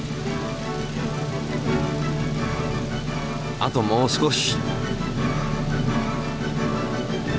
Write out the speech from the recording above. あともう少し。